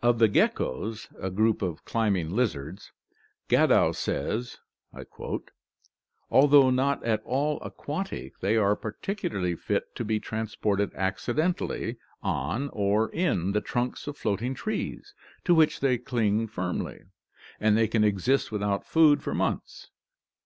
Of the geckos, a group of climbing lizards, Gadow says: "Al though not at all aquatic, they are particularly fit to be transported accidentally on or in the trunks of floating trees, to which they cling firmly, and they can exist without food for months."